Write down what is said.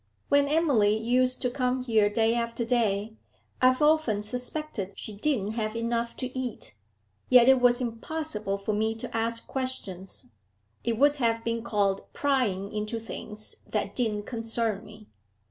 When Emily used to come here day after day, I've often suspected she didn't have enough to eat, yet it was impossible for me to ask questions, it would have been called prying into things that didn't concern me.'